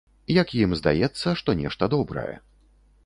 Як ім здаецца, што нешта добрае.